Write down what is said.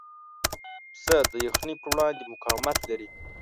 پسه د یخنۍ پر وړاندې مقاومت لري.